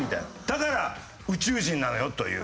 だから宇宙人なのよという。